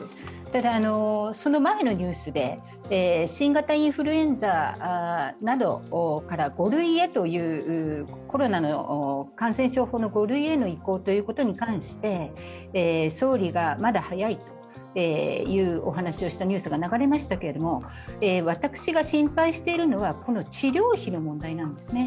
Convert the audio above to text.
ただ、その前のニュースで新型インフルエンザなどからコロナの感染症法の５類への移行ということに関して総理がまだ早いというお話をしたニュースが流れましたけれども、私が心配しているのは、治療費の問題なんですね。